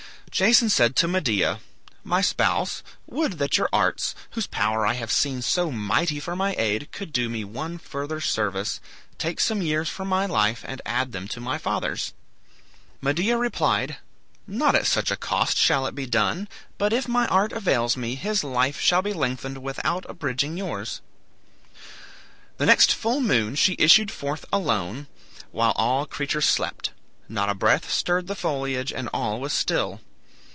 Jason said to Medea, "My spouse, would that your arts, whose power I have seen so mighty for my aid, could do me one further service, take some years from my life and add them to my father's." Medea replied, "Not at such a cost shall it be done, but if my art avails me, his life shall be lengthened without abridging yours." The next full moon she issued forth alone, while all creatures slept; not a breath stirred the foliage, and all was still.